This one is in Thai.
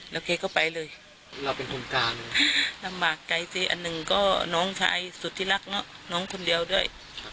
แล้วเคยก็ไปเลยลำบากใกล้นึงก็น้องชายสุดที่รักน้องคนเดียวด้วย